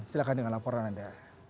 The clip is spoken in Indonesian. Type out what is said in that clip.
silakan dengan laporan anda